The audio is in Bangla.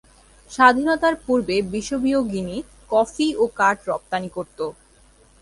স্বাধীনতার পূর্বে বিষুবীয় গিনি কফি ও কাঠ রপ্তানি করত।